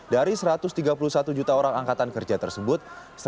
dari satu ratus tiga puluh satu juta orang angkatan kerja tersebut